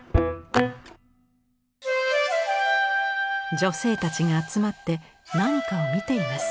女性たちが集まって何かを見ています。